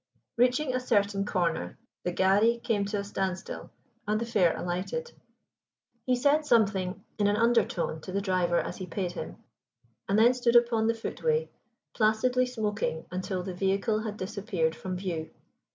Reaching a certain corner, the gharri came to a standstill and the fare alighted. He said something in an undertone to the driver as he paid him, and then stood upon the footway placidly smoking until the vehicle had disappeared from view.